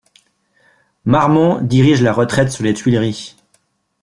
Marmont dirige la retraite sur les Tuileries.